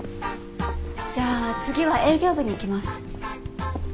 じゃあ次は営業部に行きます。